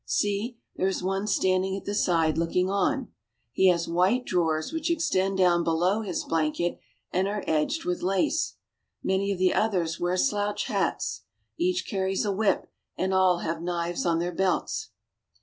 See, there is one standing at the side looking on. He has white drawers which extend down below his blanket and are edged with lace. Many of the others wear slouch hats. Each carries a whip, and all have knives in their belts.